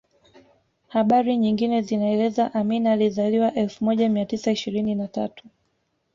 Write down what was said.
Habari nyingine zinaeleza Amin alizaliwa elfu moja mia tisa ishirini na tatu